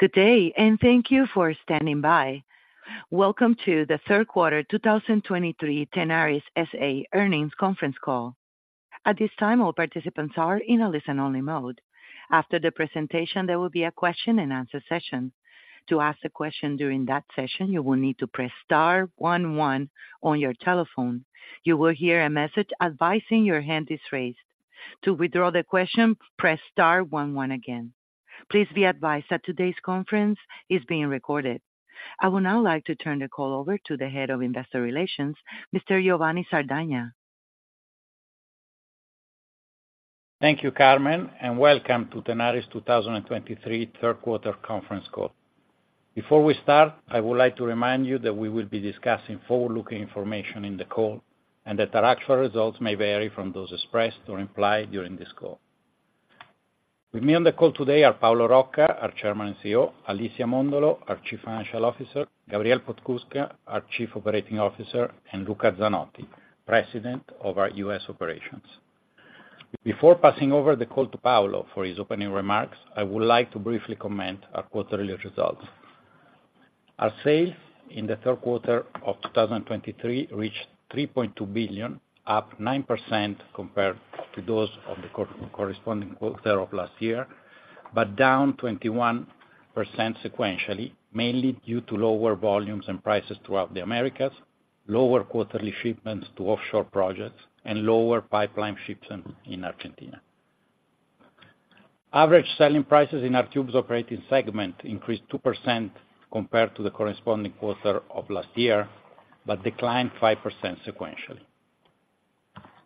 Good day, and thank you for standing by. Welcome to the third quarter 2023 Tenaris S.A. Earnings conference call. At this time, all participants are in a listen-only mode. After the presentation, there will be a question-and-answer session. To ask a question during that session, you will need to press star one one on your telephone. You will hear a message advising your hand is raised. To withdraw the question, press star one one again. Please be advised that today's conference is being recorded. I would now like to turn the call over to the Head of Investor Relations, Mr. Giovanni Sardagna. Thank you, Carmen, and welcome to Tenaris 2023 third quarter conference call. Before we start, I would like to remind you that we will be discussing forward-looking information in the call and that our actual results may vary from those expressed or implied during this call. With me on the call today are Paolo Rocca, our Chairman and CEO, Alicia Móndolo, our Chief Financial Officer, Gabriel Podskubka, our Chief Operating Officer, and Luca Zanotti, President of our U.S. operations. Before passing over the call to Paolo for his opening remarks, I would like to briefly comment on our quarterly results. Our sales in the third quarter of 2023 reached $3.2 billion, up 9% compared to those of the corresponding quarter of last year, but down 21% sequentially, mainly due to lower volumes and prices throughout the Americas, lower quarterly shipments to offshore projects, and lower pipeline shipments in Argentina. Average selling prices in our tubes operating segment increased 2% compared to the corresponding quarter of last year, but declined 5% sequentially.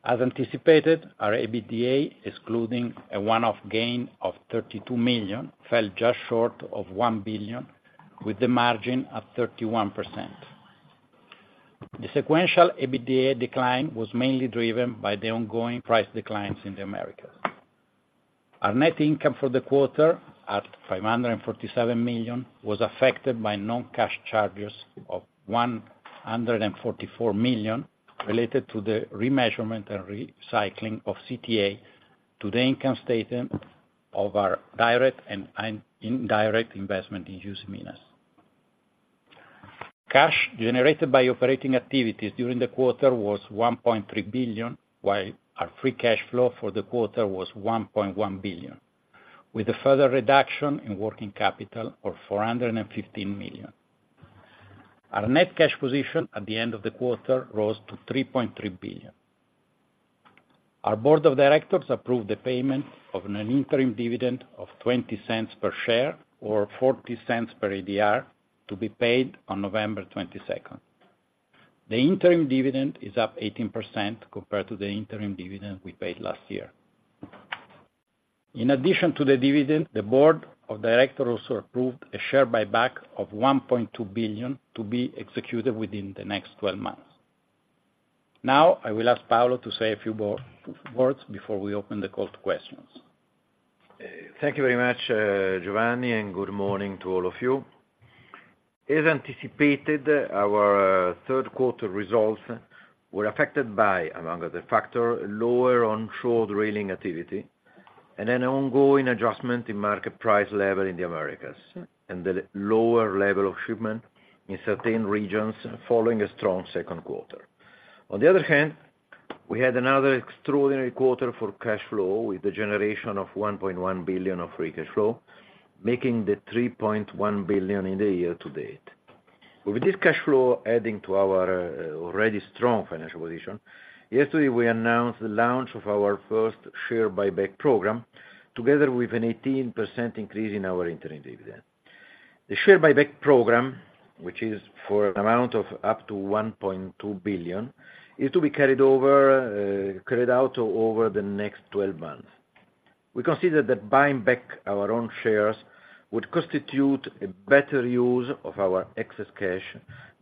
As anticipated, our EBITDA, excluding a one-off gain of $32 million, fell just short of $1 billion, with the margin of 31%. The sequential EBITDA decline was mainly driven by the ongoing price declines in the Americas. Our net income for the quarter, at $547 million, was affected by non-cash charges of $144 million related to the remeasurement and recycling of CTA to the income statement of our direct and indirect investment in Usiminas. Cash generated by operating activities during the quarter was $1.3 billion, while our free cash flow for the quarter was $1.1 billion, with a further reduction in working capital of $415 million. Our net cash position at the end of the quarter rose to $3.3 billion. Our board of directors approved the payment of an interim dividend of $0.20 per share or $0.40 per ADR, to be paid on November 22nd. The interim dividend is up 18% compared to the interim dividend we paid last year. In addition to the dividend, the Board of Directors also approved a share buyback of $1.2 billion to be executed within the next 12 months. Now, I will ask Paolo to say a few more words before we open the call to questions. Thank you very much, Giovanni, and good morning to all of you. As anticipated, our third quarter results were affected by, among other factors, lower onshore drilling activity and an ongoing adjustment in market price levels in the Americas, and the lower levels of shipments in certain regions following a strong second quarter. On the other hand, we had another extraordinary quarter for cash flow, with the generation of $1.1 billion of free cash flow, making the $3.1 billion in the year to date. With this cash flow adding to our already strong financial position, yesterday, we announced the launch of our first share buyback program, together with an 18% increase in our interim dividend. The share buyback program, which is for an amount of up to $1.2 billion, is to be carried over, carried out over the next 12 months. We consider that buying back our own shares would constitute a better use of our excess cash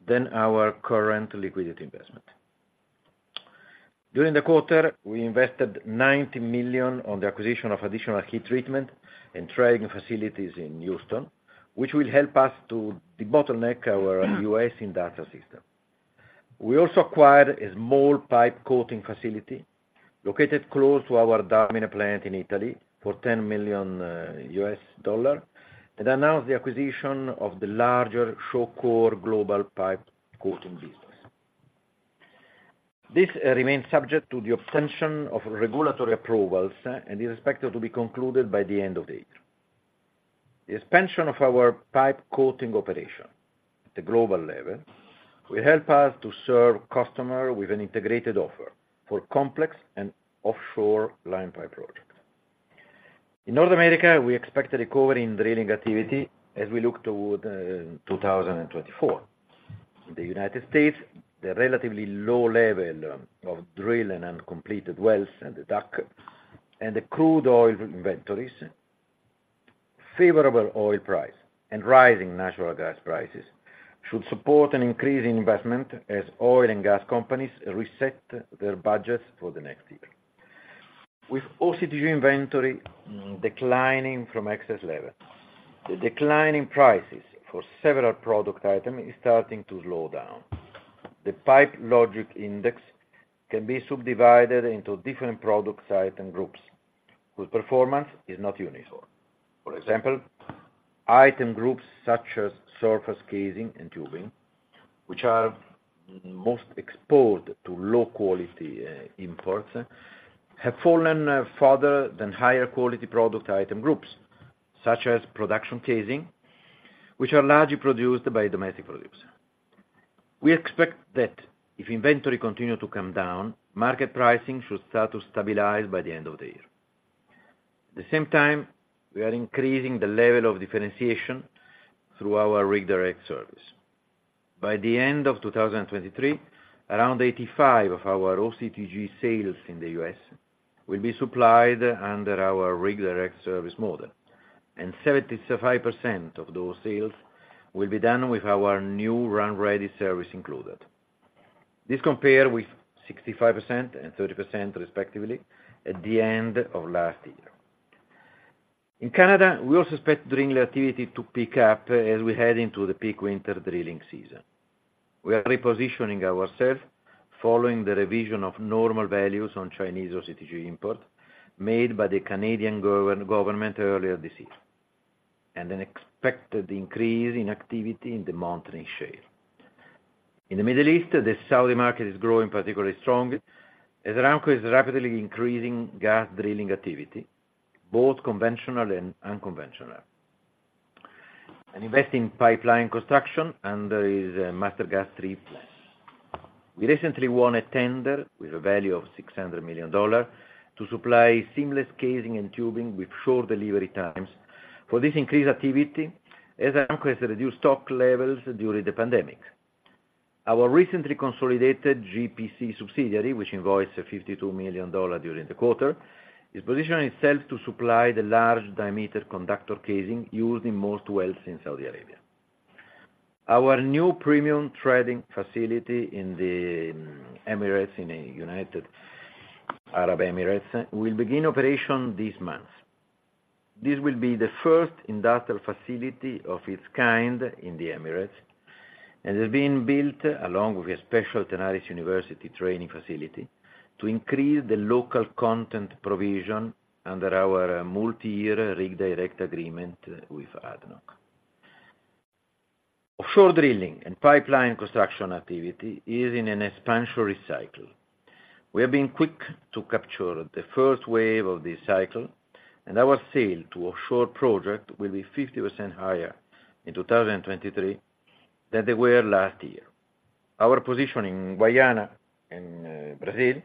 than our current liquidity investment. During the quarter, we invested $90 million on the acquisition of additional heat treatment and trading facilities in Houston, which will help us to debottleneck our U.S. industrial system. We also acquired a small pipe coating facility located close to our Dalmine plant in Italy for $10 million, and announced the acquisition of the larger Shawcor Global pipe coating business. This remains subject to the obtaining of regulatory approvals and is expected to be concluded by the end of the year. The expansion of our pipe coating operation at the global level will help us to serve customers with an integrated offer for complex and offshore line pipe projects. In North America, we expect a recovery in drilling activity as we look toward 2024. In the United States, the relatively low level of drilling and completed wells and the DUC and the crude oil inventories, favorable oil price, and rising natural gas prices should support an increase in investment as oil and gas companies reset their budgets for the next year. With OCTG inventory declining from excess levels, the decline in prices for several product items is starting to slow down. The PipeLogix Index can be subdivided into different product types and groups, whose performance is not uniform. For example, item groups such as surface casing and tubing, which are most exposed to low quality imports, have fallen further than higher quality product item groups, such as production casing, which are largely produced by domestic producers. We expect that if inventory continue to come down, market pricing should start to stabilize by the end of the year. At the same time, we are increasing the level of differentiation through our Rig Direct service. By the end of 2023, around 85 of our OCTG sales in the U.S. will be supplied under our Rig Direct service model, and 75% of those sales will be done with our new RunReady service included. This compare with 65% and 30%, respectively, at the end of last year. In Canada, we also expect drilling activity to pick up as we head into the peak winter drilling season. We are repositioning ourselves following the revision of normal values on Chinese OCTG import, made by the Canadian government earlier this year, and an expected increase in activity in the Montney Shale. In the Middle East, the Saudi market is growing particularly strongly, as Aramco is rapidly increasing gas drilling activity, both conventional and unconventional, and investing pipeline construction under its Master Gas Three plan. We recently won a tender with a value of $600 million to supply seamless casing and tubing with short delivery times for this increased activity, as Aramco has reduced stock levels during the pandemic. Our recently consolidated GPC subsidiary, which invoiced $52 million during the quarter, is positioning itself to supply the large diameter conductor casing used in most wells in Saudi Arabia. Our new premium threading facility in the Emirates, in United Arab Emirates, will begin operation this month. This will be the first industrial facility of its kind in the Emirates, and is being built along with a special Tenaris University training facility, to increase the local content provision under our multi-year Rig Direct agreement with ADNOC. Offshore drilling and pipeline construction activity is in an expansionary cycle. We have been quick to capture the first wave of this cycle, and our sale to offshore project will be 50% higher in 2023 than they were last year. Our position in Guyana and Brazil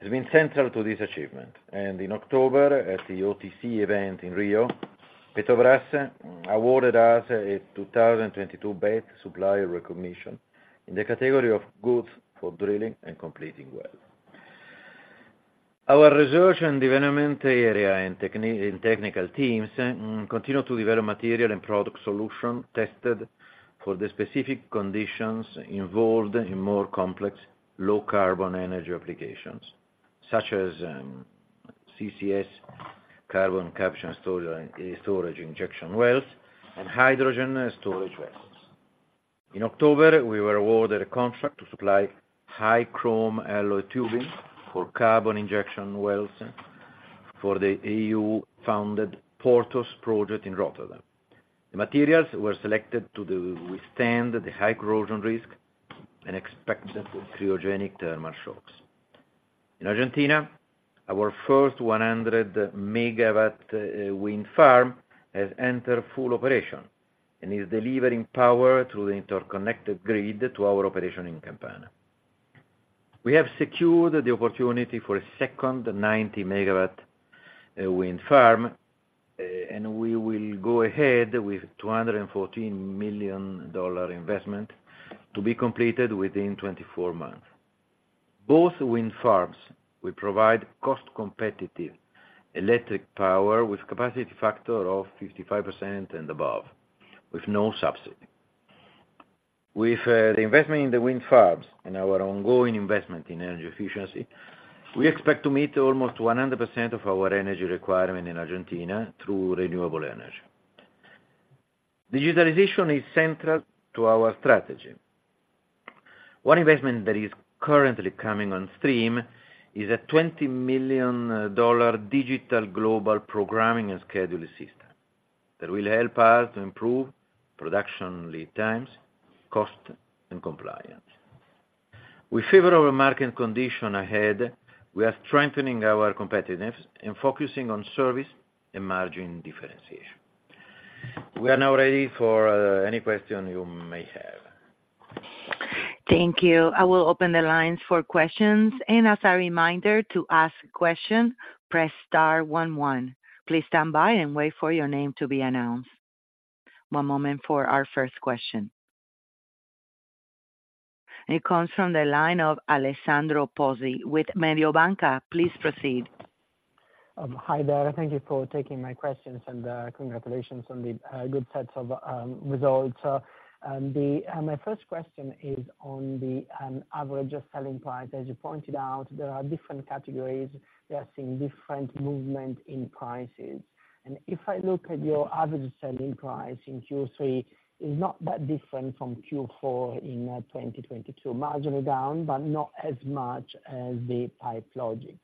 has been central to this achievement, and in October, at the OTC event in Rio, Petrobras awarded us a 2022 Best Supplier recognition in the category of Goods for Drilling and Completing Wells. Our research and development area and technical teams continue to develop material and product solution tested for the specific conditions involved in more complex, low carbon energy applications, such as CCS, carbon capture and storage, storage injection wells, and hydrogen storage wells. In October, we were awarded a contract to supply high chrome alloy tubing for carbon injection wells for the EU-funded Porthos project in Rotterdam. The materials were selected to withstand the high corrosion risk and expected cryogenic thermal shocks. In Argentina, our first 100-MW wind farm has entered full operation and is delivering power through the interconnected grid to our operation in Campana. We have secured the opportunity for a second 90-MW wind farm, and we will go ahead with $214 million investment to be completed within 24 months. Both wind farms will provide cost competitive electric power with capacity factor of 55% and above, with no subsidy. With the investment in the wind farms and our ongoing investment in energy efficiency, we expect to meet almost 100% of our energy requirement in Argentina through renewable energy. Digitalization is central to our strategy. One investment that is currently coming on stream is a $20 million digital global programming and scheduling system, that will help us to improve production lead times, cost, and compliance. We favor our market condition ahead, we are strengthening our competitiveness and focusing on service and margin differentiation. We are now ready for any question you may have. Thank you. I will open the lines for questions, and as a reminder, to ask a question, press star one, one. Please stand by and wait for your name to be announced. One moment for our first question. It comes from the line of Alessandro Pozzi with Mediobanca. Please proceed. Hi there. Thank you for taking my questions, and congratulations on the good sets of results. And my first question is on the average selling price. As you pointed out, there are different categories that are seeing different movement in prices. And if I look at your average selling price in Q3, it's not that different from Q4 in 2022. Marginally down, but not as much as the PipeLogix.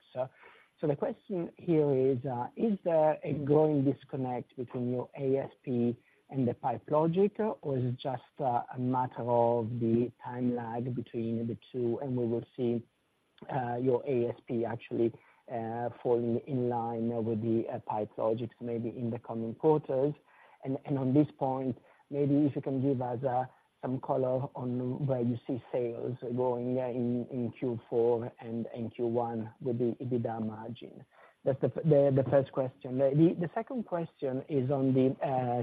So the question here is, is there a growing disconnect between your ASP and the PipeLogix, or is it just a matter of the time lag between the two, and we will see your ASP actually falling in line with the PipeLogix maybe in the coming quarters. On this point, maybe if you can give us some color on where you see sales going in Q4 and in Q1 with the EBITDA margin. That's the first question. The second question is on the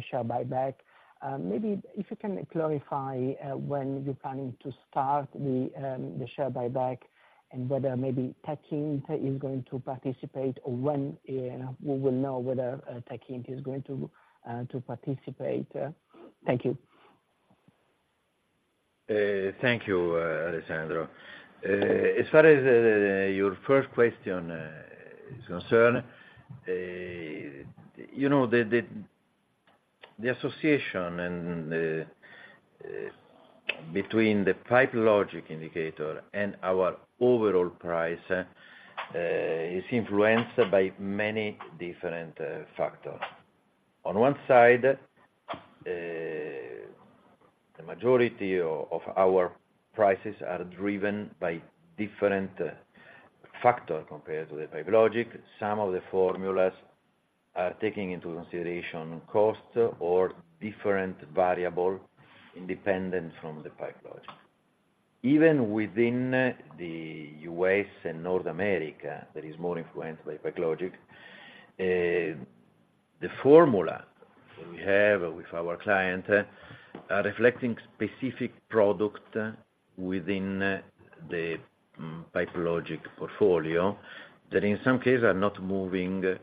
share buyback. Maybe if you can clarify when you're planning to start the share buyback, and whether maybe Techint is going to participate, or when we will know whether Techint is going to participate? Thank you. Thank you, Alessandro. As far as your first question is concerned, you know, the association between the PipeLogix indicator and our overall price is influenced by many different factors. On one side, the majority of our prices are driven by different factor compared to the PipeLogix. Some of the formulas are taking into consideration cost or different variable, independent from the PipeLogix. Even within the U.S. and North America, that is more influenced by PipeLogix, the formula we have with our client are reflecting specific product within the PipeLogix portfolio, that in some cases are not moving in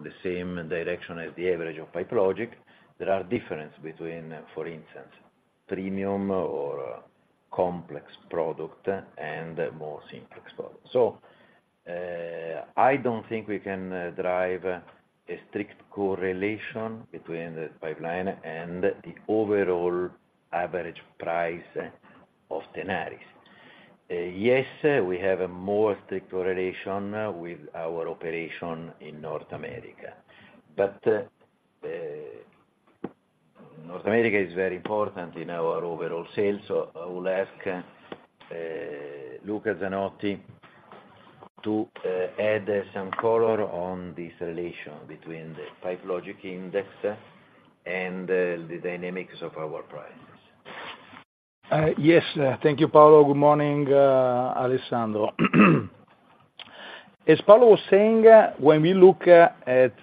the same direction as the average of PipeLogix. There are difference between, for instance, premium or complex product and more simple product. So, I don't think we can derive a strict correlation between the pipeline and the overall average price of Tenaris. Yes, we have a more strict correlation with our operation in North America. But, North America is very important in our overall sales, so I will ask Luca Zanotti to add some color on this relation between the PipeLogix index and the dynamics of our prices. Yes, thank you, Paolo. Good morning, Alessandro. As Paolo was saying, when we look at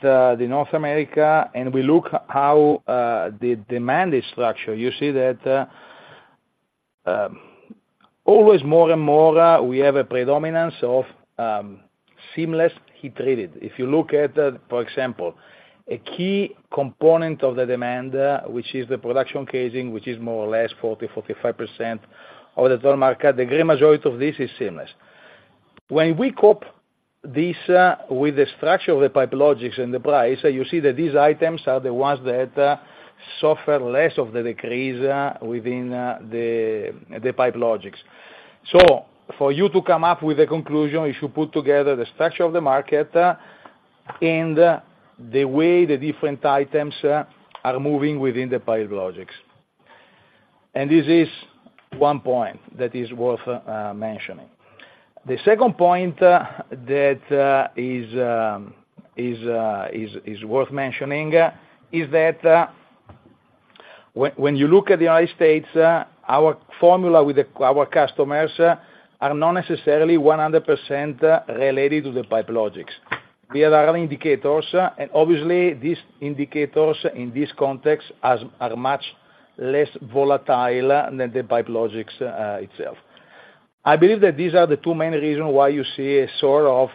North America, and we look how the demand is structured, you see that always more and more, we have a predominance of seamless heat treated. If you look at, for example, a key component of the demand, which is the production casing, which is more or less 40%-45% of the total market, the great majority of this is seamless. When we couple this with the structure of the PipeLogix and the price, you see that these items are the ones that suffer less of the decrease within the PipeLogix. So for you to come up with a conclusion, you should put together the structure of the market, and the way the different items are moving within the PipeLogix. This is one point that is worth mentioning. The second point that is worth mentioning is that when you look at the United States, our formula with our customers are not necessarily 100% related to the PipeLogix. We have other indicators, and obviously, these indicators, in this context, are much less volatile than the PipeLogix itself. I believe that these are the two main reasons why you see a sort of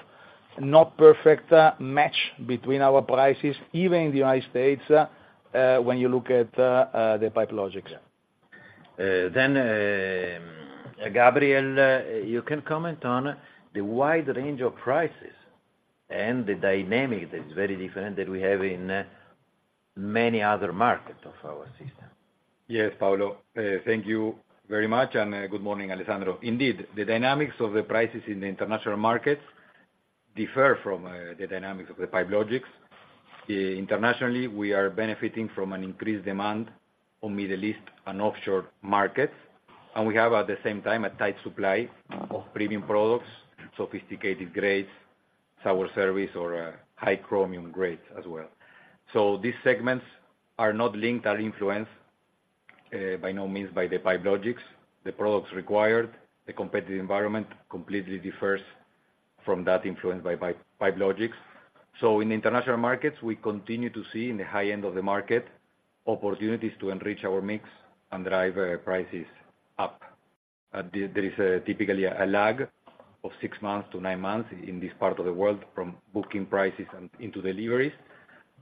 not perfect match between our prices, even in the United States, when you look at the PipeLogix. Then, Gabriel, you can comment on the wide range of prices and the dynamic that is very different that we have in many other markets of our system. Yes, Paolo, thank you very much, and, good morning, Alessandro. Indeed, the dynamics of the prices in the international markets differ from, the dynamics of the PipeLogix. Internationally, we are benefiting from an increased demand on Middle East and offshore markets, and we have, at the same time, a tight supply of premium products, sophisticated grades, sour service, or, high chromium grades as well. So these segments are not linked or influenced, by no means by the PipeLogix. The products required, the competitive environment, completely differs from that influenced by Pi- PipeLogix. So in the international markets, we continue to see, in the high end of the market, opportunities to enrich our mix and drive, prices up. There is typically a lag of 6-9 months in this part of the world, from booking prices and into deliveries,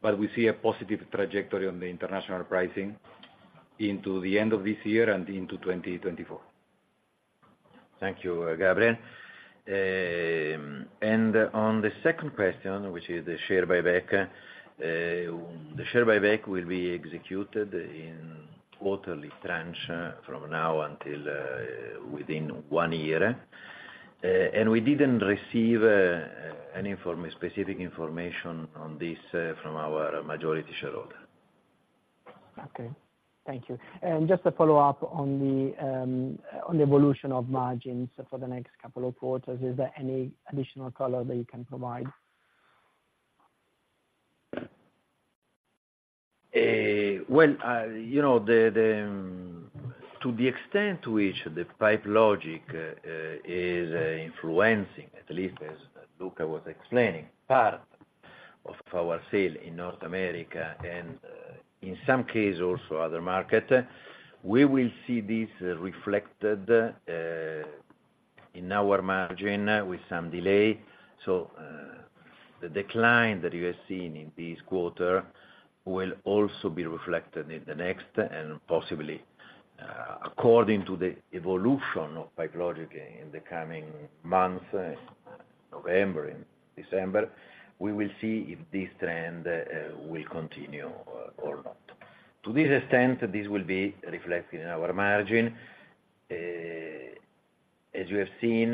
but we see a positive trajectory on the international pricing into the end of this year and into 2024. Thank you, Gabriel. And on the second question, which is the share buyback, the share buyback will be executed in quarterly tranche from now until within one year. And we didn't receive any specific information on this from our majority shareholder. Okay. Thank you. Just a follow-up on the evolution of margins for the next couple of quarters, is there any additional color that you can provide? Well, you know, to the extent to which the PipeLogix is influencing, at least as Luca was explaining, part of our sales in North America, and in some cases, also other markets, we will see this reflected in our margin with some delay. So, the decline that you have seen in this quarter will also be reflected in the next, and possibly, according to the evolution of PipeLogix in the coming months, November and December, we will see if this trend will continue or not. To this extent, this will be reflected in our margin. As you have seen,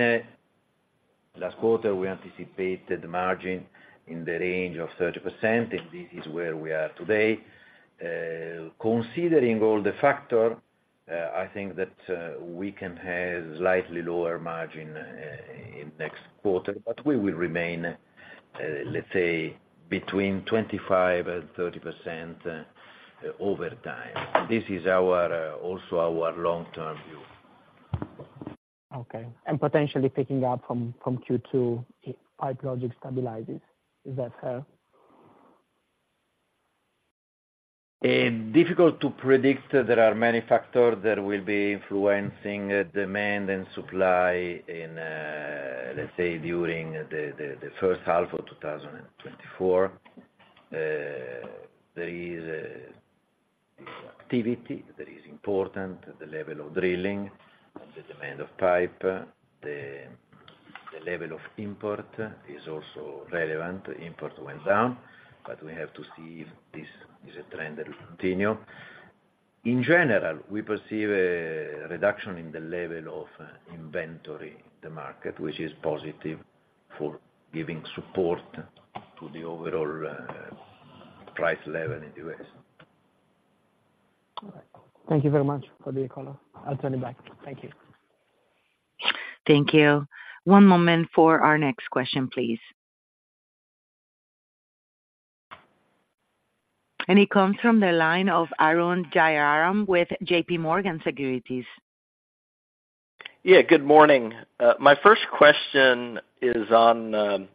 last quarter, we anticipated the margin in the range of 30%, and this is where we are today. Considering all the factors, I think that we can have slightly lower margins in next quarter, but we will remain, let's say, between 25% and 30% over time. This is also our long-term view. Okay, and potentially picking up from, from Q2, if PipeLogix stabilizes. Is that fair? Difficult to predict. There are many factors that will be influencing demand and supply in, let's say, during the first half of 2024. There is activity that is important, the level of drilling, the demand of pipe, the level of import is also relevant. Import went down, but we have to see if this is a trend that will continue. In general, we perceive a reduction in the level of inventory in the market, which is positive for giving support to the overall price level in the U.S. All right. Thank you very much for the call. I'll turn it back. Thank you. Thank you. One moment for our next question, please. It comes from the line of Arun Jayaram with JPMorgan Securities. Yeah, good morning. My first question is on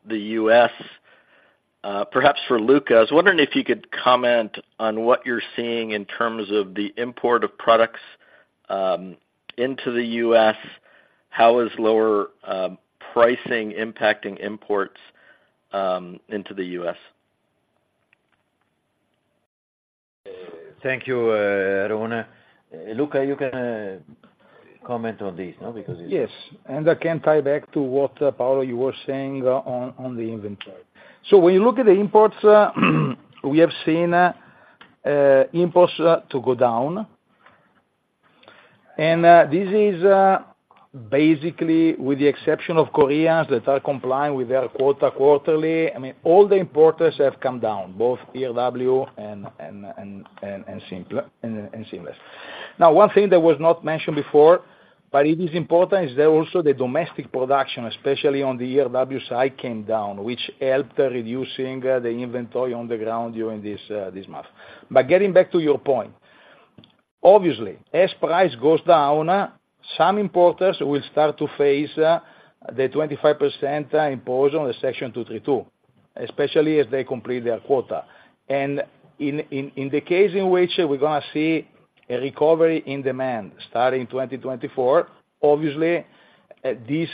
the US, perhaps for Luca. I was wondering if you could comment on what you're seeing in terms of the import of products into the US. How is lower pricing impacting imports into the US? Thank you, Arun. Luca, you can comment on this, you know, because it's. Yes, and I can tie back to what, Paolo, you were saying on the inventory. So when you look at the imports, we have seen imports to go down. This is basically, with the exception of Koreans that are complying with their quota quarterly, I mean, all the importers have come down, both ERW and seamless. Now, one thing that was not mentioned before, but it is important, is that also the domestic production, especially on the ERW side, came down, which helped reducing the inventory on the ground during this month. But getting back to your point, obviously, as price goes down, some importers will start to face the 25% imposed on the Section 232, especially as they complete their quota. In the case in which we're gonna see a recovery in demand starting in 2024, obviously, this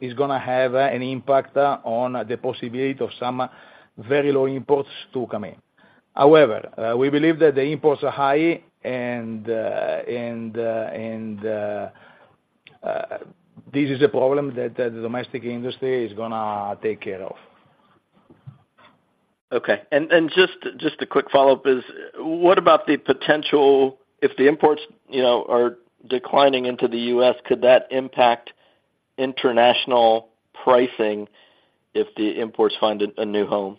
is gonna have an impact on the possibility of some very low imports to come in. However, we believe that the imports are high and this is a problem that the domestic industry is gonna take care of. Okay. Just a quick follow-up: what about the potential. If the imports, you know, are declining into the U.S., could that impact international pricing if the imports find a new home?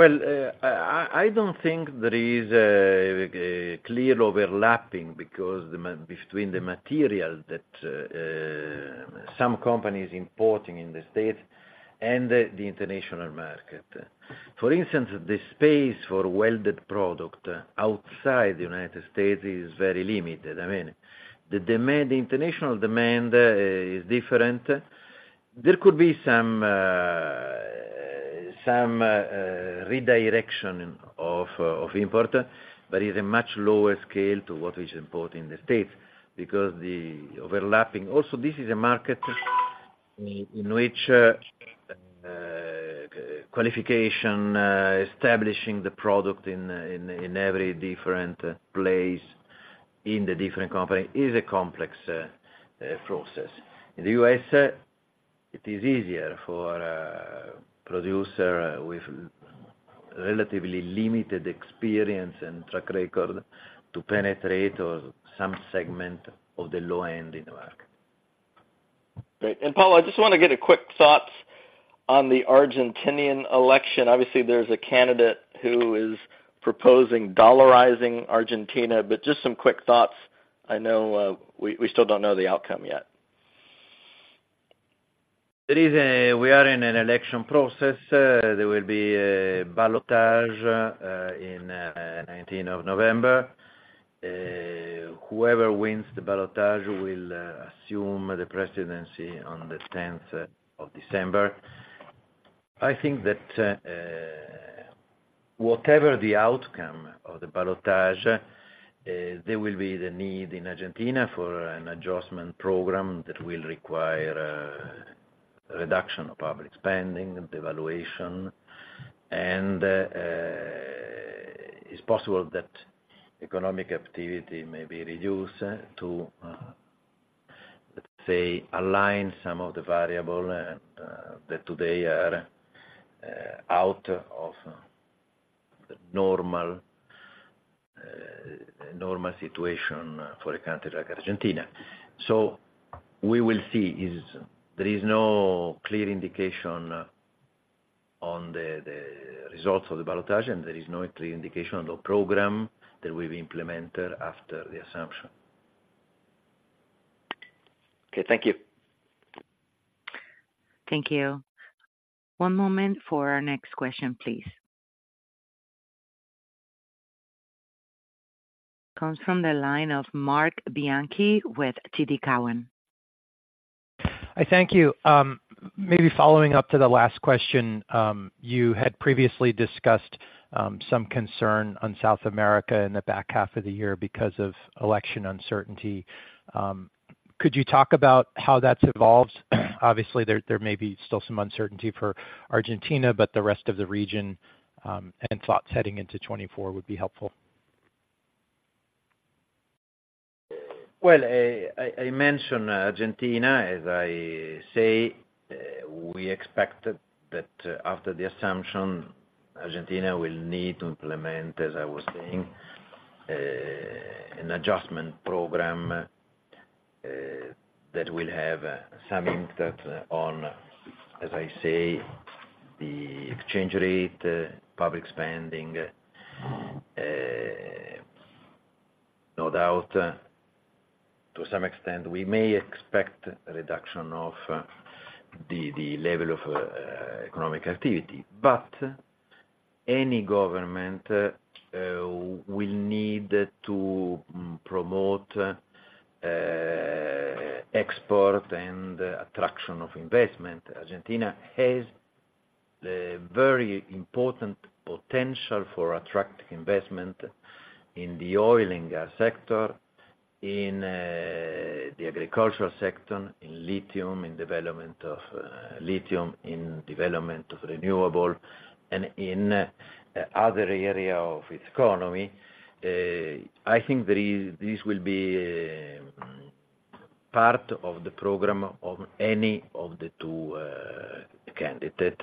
Well, I don't think there is a clear overlapping because the between the material that some companies importing in the States and the international market. For instance, the space for welded product outside the United States is very limited. I mean, the demand, the international demand, is different. There could be some redirection of import, but is a much lower scale to what is imported in the States, because the overlapping. Also, this is a market in which qualification establishing the product in every different place, in the different company, is a complex process. In the US, it is easier for a producer with relatively limited experience and track record to penetrate some segment of the low end in the market. Great. And Paolo, I just want to get a quick thoughts on the Argentinian election. Obviously, there's a candidate who is proposing dollarizing Argentina, but just some quick thoughts. I know, we still don't know the outcome yet. We are in an election process. There will be a ballotage in 19 of November. Whoever wins the ballotage will assume the presidency on the 10 of December. I think that whatever the outcome of the ballotage, there will be the need in Argentina for an adjustment program that will require reduction of public spending, devaluation, and it's possible that economic activity may be reduced to let's say align some of the variable that today are out of normal situation for a country like Argentina. So we will see. There is no clear indication on the results of the ballotage, and there is no clear indication of the program that will be implemented after the assumption. Okay. Thank you. Thank you. One moment for our next question, please. Comes from the line of Marc Bianchi with TD Cowen. Hi, thank you. Maybe following up to the last question, you had previously discussed some concern on South America in the back half of the year because of election uncertainty. Could you talk about how that's evolved? Obviously, there may be still some uncertainty for Argentina, but the rest of the region, and thoughts heading into 2024 would be helpful. Well, I mentioned Argentina. As I say, we expect that, after the assumption, Argentina will need to implement, as I was saying, an adjustment program, that will have some impact on, as I say, the exchange rate, public spending, no doubt, to some extent, we may expect a reduction of, the level of, economic activity. But any government, will need to promote, export and attraction of investment. Argentina has a very important potential for attracting investment in the oil and gas sector, in, the agricultural sector, in lithium, in development of, lithium, in development of renewable, and in other area of its economy. I think there is, this will be, part of the program of any of the two, candidate.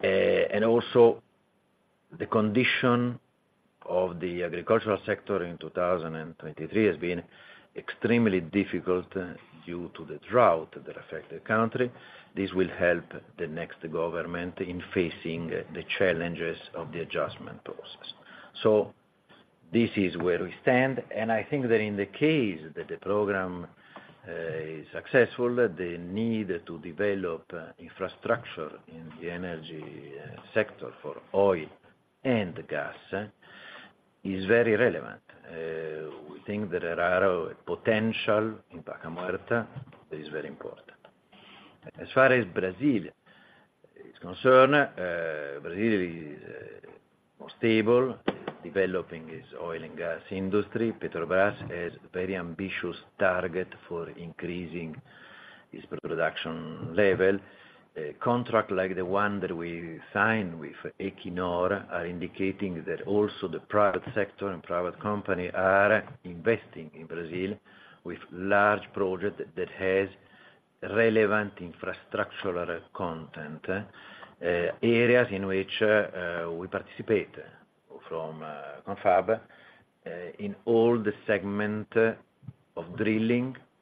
And also, the condition of the agricultural sector in 2023 has been extremely difficult due to the drought that affect the country. This will help the next government in facing the challenges of the adjustment process. So this is where we stand, and I think that in the case that the program is successful, the need to develop infrastructure in the energy sector for oil and gas is very relevant. We think that there are potential in Vaca Muerta that is very important. As far as Brazil is concerned, Brazil is more stable, developing its oil and gas industry. Petrobras has a very ambitious target for increasing its production level. A contract like the one that we signed with Equinor are indicating that also the private sector and private company are investing in Brazil with large project that has relevant infrastructural content, areas in which we participate from Confab in all the segment of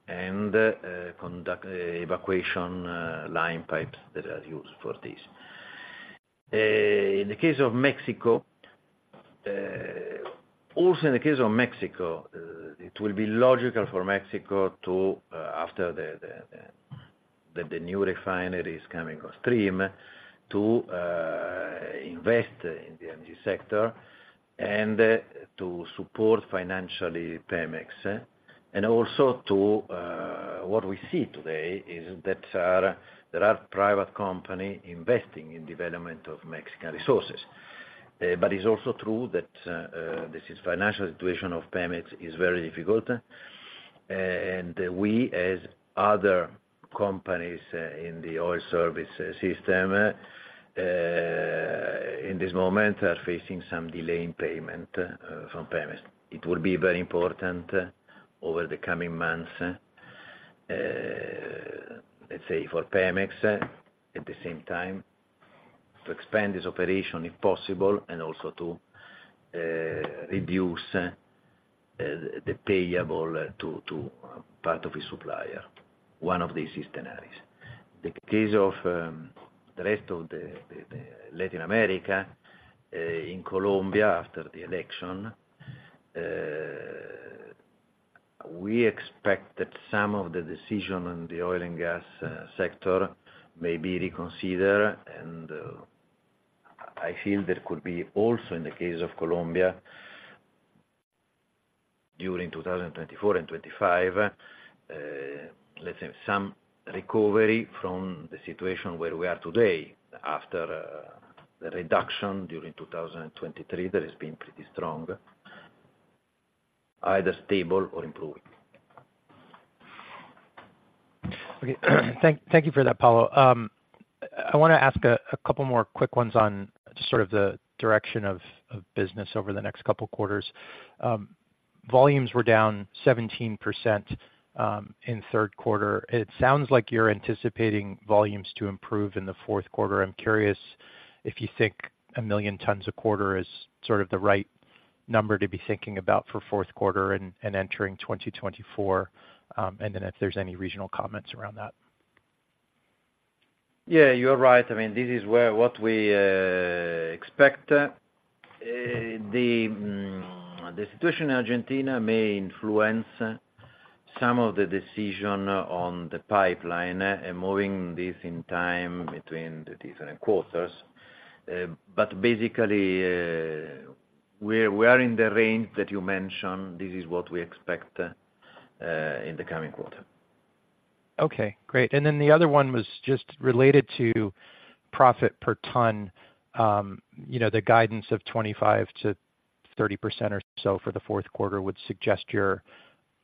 drilling and conduct evacuation line pipes that are used for this. In the case of Mexico, also in the case of Mexico, it will be logical for Mexico to after the new refinery is coming on stream to invest in the energy sector and to support financially Pemex, and also to what we see today is that there are private company investing in development of Mexican resources. But it's also true that this is financial situation of Pemex is very difficult, and we, as other companies in the oil service system, in this moment, are facing some delay in payment from Pemex. It will be very important over the coming months, let's say, for Pemex. At the same time to expand this operation, if possible, and also to reduce the payable to part of the supplier. One of these is Tenaris. The case of the rest of the Latin America in Colombia, after the election, we expect that some of the decision on the oil and gas sector may be reconsidered, and I feel there could be also in the case of Colombia, during 2024 and 2025, let's say some recovery from the situation where we are today, after the reduction during 2023, that has been pretty strong, either stable or improving. Okay. Thank, thank you for that, Paolo. I wanna ask a couple more quick ones on sort of the direction of business over the next couple quarters. Volumes were down 17% in third quarter. It sounds like you're anticipating volumes to improve in the fourth quarter. I'm curious if you think 1 million tons a quarter is sort of the right number to be thinking about for fourth quarter and entering 2024, and then if there's any regional comments around that. Yeah, you're right. I mean, this is what we expect. The situation in Argentina may influence some of the decision on the pipeline and moving this in time between the different quarters. But basically, we are in the range that you mentioned. This is what we expect in the coming quarter. Okay, great. And then the other one was just related to profit per ton. You know, the guidance of 25%-30% or so for the fourth quarter would suggest you're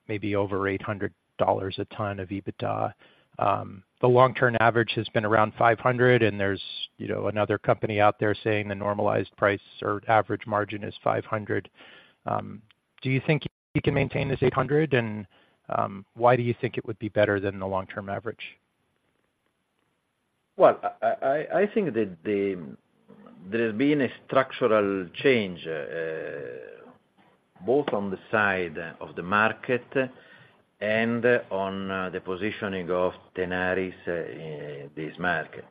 maybe over $800 a ton of EBITDA. The long-term average has been around $500, and there's, you know, another company out there saying the normalized price or average margin is $500. Do you think you can maintain this $800? And, why do you think it would be better than the long-term average? Well, I think that there has been a structural change both on the side of the market and on the positioning of Tenaris in this market.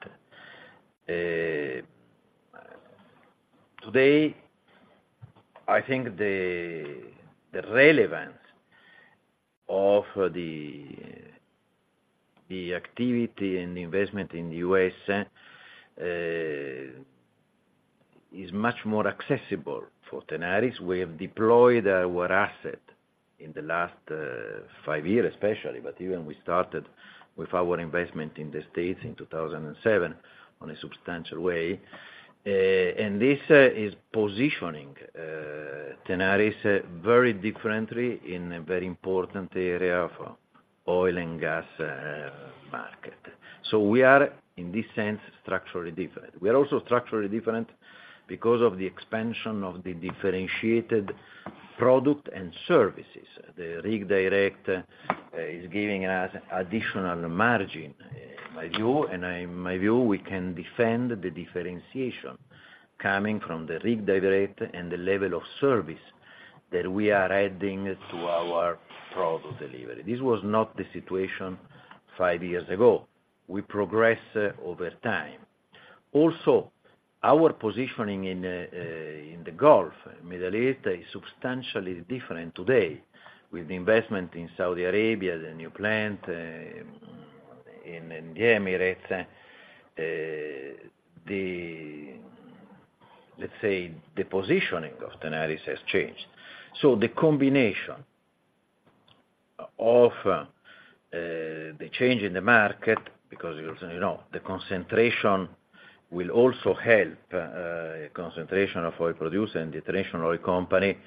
Today, I think the relevance of the activity and the investment in the U.S. is much more accessible for Tenaris. We have deployed our asset in the last five years especially, but even we started with our investment in the States in 2007 on a substantial way. And this is positioning Tenaris very differently in a very important area of oil and gas market. So we are, in this sense, structurally different. We are also structurally different because of the expansion of the differentiated product and services. The Rig Direct is giving us additional margin, my view, and in my view, we can defend the differentiation coming from the Rig Direct and the level of service that we are adding to our product delivery. This was not the situation five years ago. We progress over time. Also, our positioning in the Gulf, Middle East, is substantially different today with investment in Saudi Arabia, the new plant, in the Emirates. Let's say, the positioning of Tenaris has changed. So the combination of, the change in the market, because, you know, the concentration will also help, concentration of oil producer and the international oil company,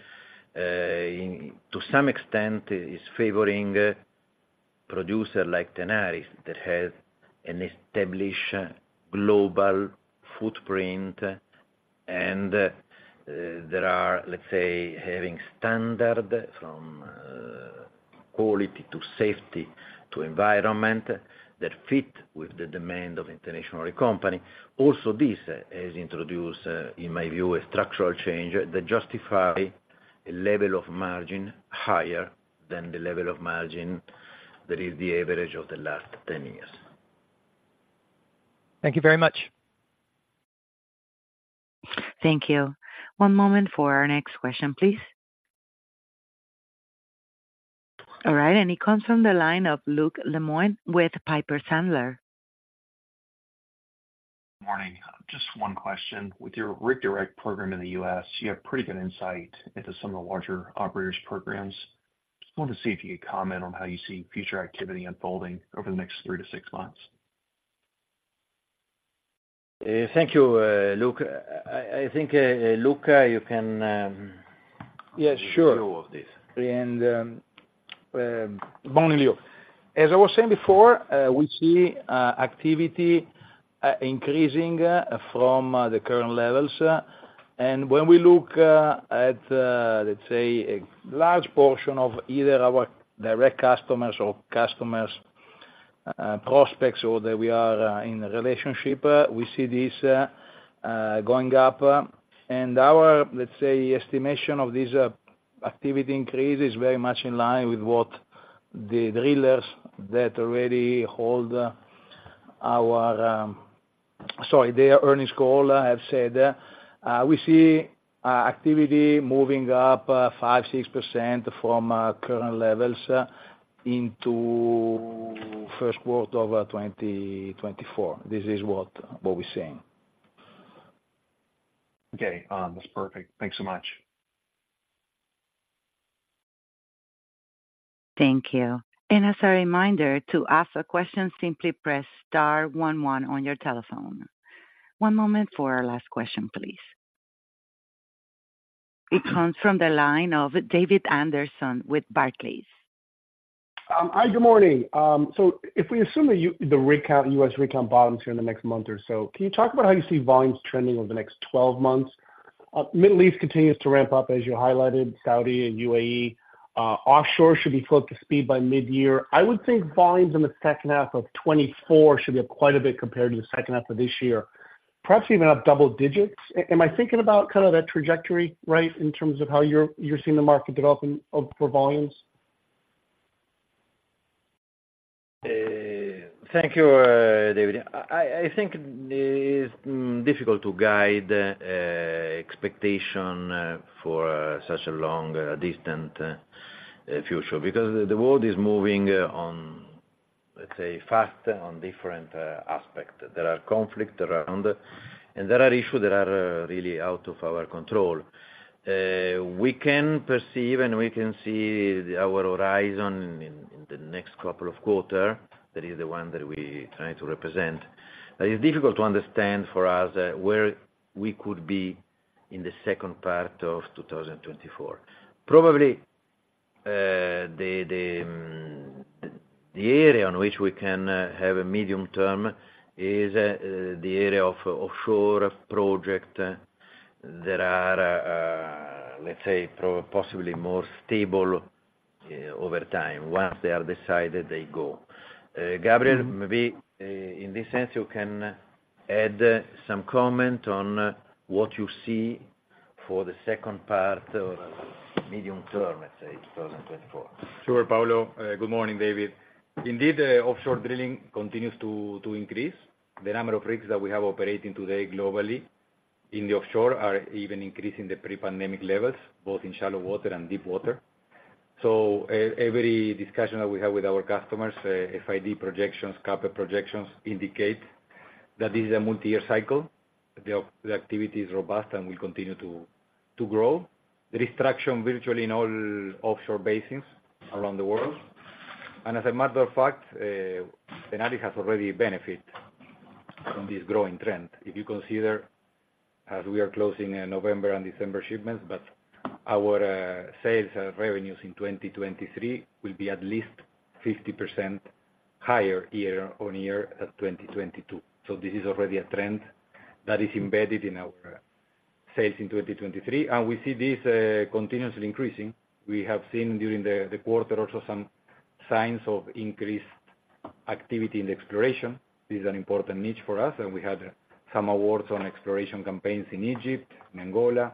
to some extent, is favoring a producer like Tenaris, that has an established global footprint, and, there are, let's say, having standard from, quality to safety to environment, that fit with the demand of international oil company. Also, this has introduced, in my view, a structural change that justify a level of margin higher than the level of margin that is the average of the last 10 years. Thank you very much. Thank you. One moment for our next question, please. All right, and it comes from the line of Luke Lemoine with Piper Sandler. Morning. Just one question. With your Rig Direct program in the U.S., you have pretty good insight into some of the larger operators' programs. Just wanted to see if you could comment on how you see future activity unfolding over the next 3-6 months. Thank you, Luke. I think, Luca, you can. Yeah, sure. Go with this. Morning, Luke. As I was saying before, we see activity increasing from the current levels. When we look at, let's say, a large portion of either our direct customers or customers, prospects or that we are in a relationship, we see this going up. And our, let's say, estimation of this activity increase is very much in line with what the drillers that already hold our, sorry, their earnings call have said. We see activity moving up 5%-6% from current levels into first quarter of 2024. This is what we're seeing. Okay, that's perfect. Thanks so much. Thank you. As a reminder, to ask a question, simply press star one one on your telephone. One moment for our last question, please. It comes from the line of David Anderson with Barclays. Hi, good morning. So if we assume that you- the rig count, U.S. rig count bottoms here in the next month or so, can you talk about how you see volumes trending over the next 12 months? Middle East continues to ramp up, as you highlighted, Saudi and UAE. Offshore should be full up to speed by midyear. I would think volumes in the second half of 2024 should be up quite a bit compared to the second half of this year, perhaps even up double digits. Am I thinking about kind of that trajectory, right, in terms of how you're, you're seeing the market developing of, for volumes? Thank you, David. I think it is difficult to guide expectation for such a long distant future, because the world is moving on, let's say, fast on different aspects. There are conflict around, and there are issues that are really out of our control. We can perceive, and we can see our horizon in the next couple of quarter, that is the one that we try to represent. But it's difficult to understand for us where we could be in the second part of 2024. Probably, the area on which we can have a medium term is the area of offshore project that are, let's say, possibly more stable over time. Once they are decided, they go. Gabriel, maybe, in this sense, you can add some comment on what you see for the second part of medium term, let's say, 2024. Sure, Paolo. Good morning, David. Indeed, offshore drilling continues to increase. The number of rigs that we have operating today globally in the offshore are even increasing the pre-pandemic levels, both in shallow water and deep water. So every discussion that we have with our customers, FID projections, CapEx projections, indicate that this is a multi-year cycle. The activity is robust and will continue to grow. There is traction virtually in all offshore basins around the world. And as a matter of fact, Tenaris has already benefit from this growing trend. If you consider, as we are closing in November and December shipments, but our sales revenues in 2023 will be at least 50% higher year-on-year at 2022. So this is already a trend that is embedded in our sales in 2023, and we see this, continuously increasing. We have seen during the quarter also some signs of increased activity in the exploration. This is an important niche for us, and we had some awards on exploration campaigns in Egypt, in Angola,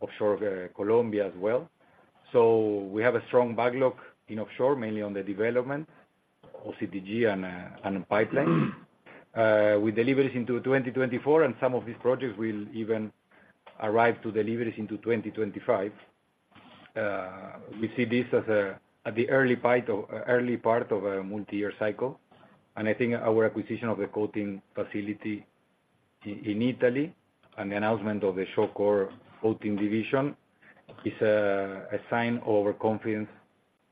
offshore, Colombia as well. So we have a strong backlog in offshore, mainly on the development, OCTG and, and pipeline. With deliveries into 2024, and some of these projects will even arrive to deliveries into 2025. We see this as at the early part of a multi-year cycle, and I think our acquisition of the coating facility in Italy, and the announcement of the Shawcor coating division is a sign of our confidence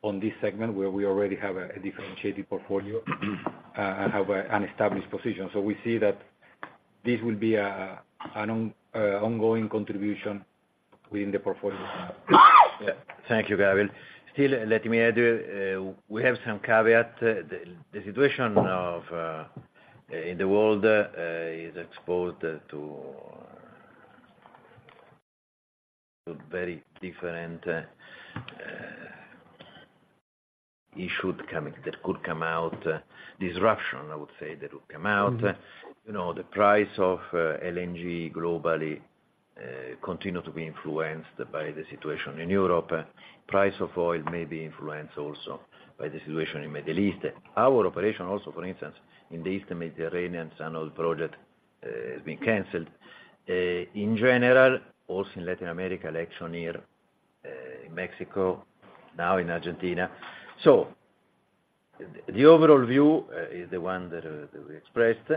on this segment, where we already have a differentiated portfolio, and have an established position. So we see that this will be an ongoing contribution within the portfolio. Thank you, Gabriel. Still, let me add, we have some caveat. The situation in the world is exposed to very different issue coming that could come out. Disruption, I would say, that would come out. Mm-hmm. You know, the price of LNG globally continue to be influenced by the situation in Europe. Price of oil may be influenced also by the situation in Middle East. Our operation also, for instance, in the Eastern Mediterranean, some oil project, has been canceled. In general, also in Latin America, Exxon, in Mexico, now in Argentina. So the overall view is the one that we expressed,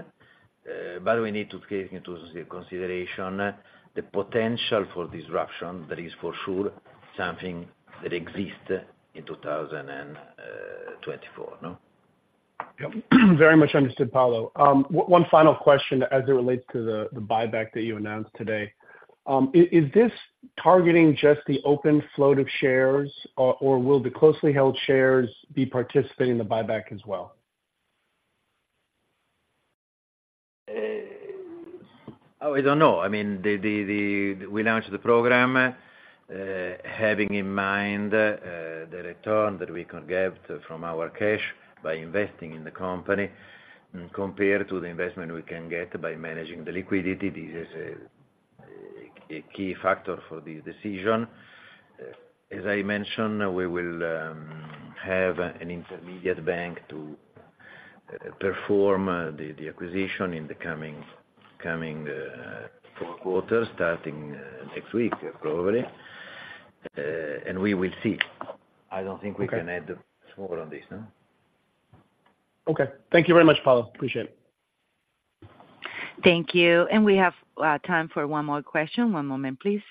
but we need to take into consideration the potential for disruption. That is for sure something that exists in 2024, no? Yep. Very much understood, Paolo. One final question as it relates to the buyback that you announced today. Is this targeting just the open float of shares, or will the closely held shares be participating in the buyback as well? I don't know. I mean, we launched the program, having in mind, the return that we could get from our cash by investing in the company compared to the investment we can get by managing the liquidity. This is a key factor for the decision. As I mentioned, we will have an intermediate bank to perform the acquisition in the coming four quarters, starting next week, probably. And we will see. I don't think we can add more on this, no? Okay. Thank you very much, Paolo. Appreciate it. Thank you, and we have time for one more question. One moment, please.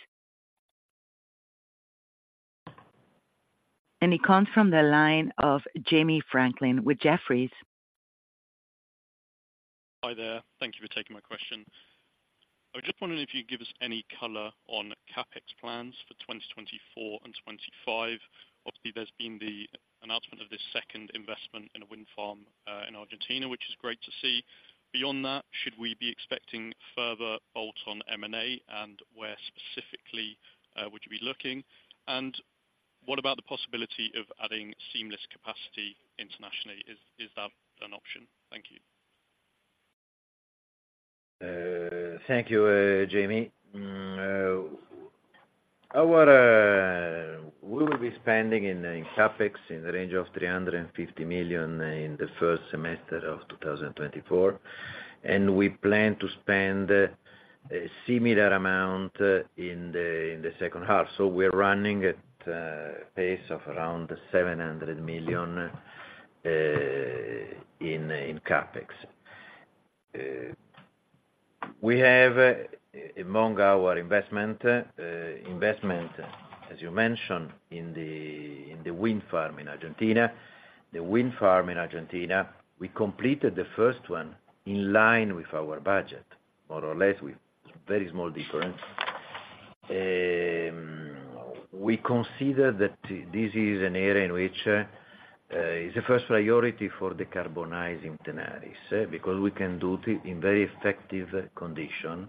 And it comes from the line of Jamie Franklin with Jefferies. Hi there. Thank you for taking my question. I was just wondering if you'd give us any color on CapEx plans for 2024 and 2025. Obviously, there's been the announcement of this second investment in a wind farm in Argentina, which is great to see. Beyond that, should we be expecting further bolt-on M&A, and where specifically would you be looking? And what about the possibility of adding seamless capacity internationally? Is that an option? Thank you. Thank you, Jamie. We will be spending in CapEx in the range of $350 million in the first semester of 2024, and we plan to spend a similar amount in the second half. So we're running at a pace of around $700 million in CapEx. We have, among our investments, as you mentioned, in the wind farm in Argentina. The wind farm in Argentina, we completed the first one in line with our budget, more or less, with very small difference. We consider that this is an area in which is the first priority for decarbonizing Tenaris, because we can do it in very effective condition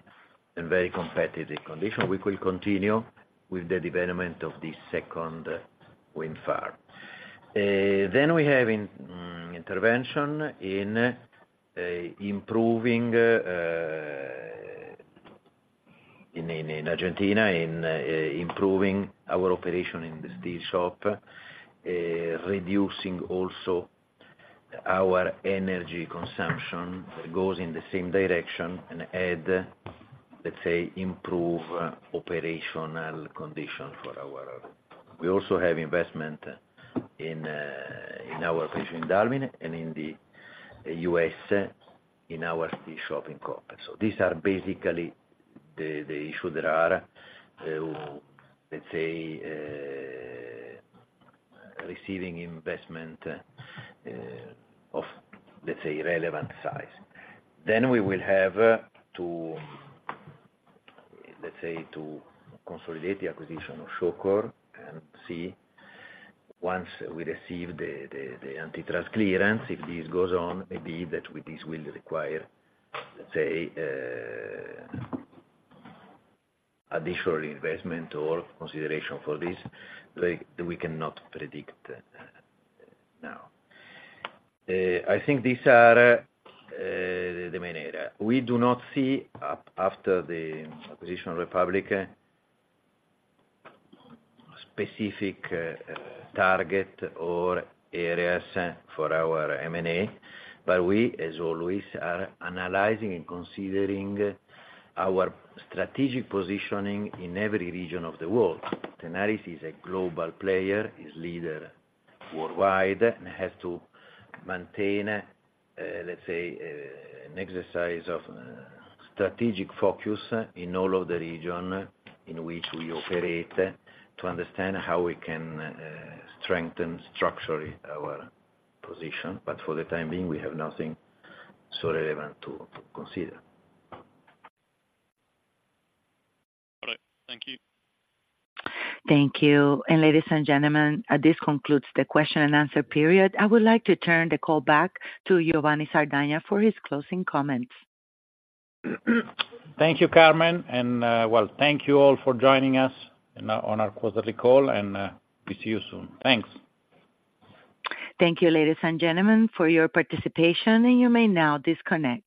and very competitive condition. We will continue with the development of the second wind farm. Then we have intervention in improving our operation in the steel shop in Argentina, reducing also our energy consumption. It goes in the same direction and add, let's say, improve operational conditions for our. We also have investment in our operation in Dalmine and in the US, in our steel shop in Campana. So these are basically the issues that are receiving investment of relevant size. Then we will have to consolidate the acquisition of Shawcor and see, once we receive the antitrust clearance, if this goes on, indeed, that this will require additional investment or consideration for this, like, we cannot predict now. I think these are the main area. We do not see, after the acquisition of Republic Tube, specific target or areas for our M&A, but we, as always, are analyzing and considering our strategic positioning in every region of the world. Tenaris is a global player, is leader worldwide, and have to maintain, let's say, an exercise of strategic focus in all of the region in which we operate, to understand how we can strengthen structurally our position. But for the time being, we have nothing so relevant to consider. All right. Thank you. Thank you. Ladies and gentlemen, this concludes the question and answer period. I would like to turn the call back to Giovanni Sardagna for his closing comments. Thank you, Carmen, and, well, thank you all for joining us on our quarterly call, and, we see you soon. Thanks. Thank you, ladies and gentlemen, for your participation, and you may now disconnect.